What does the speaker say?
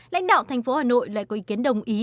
lãnh đạo thành phố hà nội lại có ý kiến đồng ý